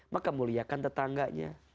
maka muliakan tetangganya